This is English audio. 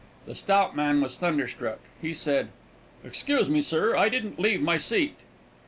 The stout man was thunderstruck. He said: "Excuse me, sir; I didn't leave my seat."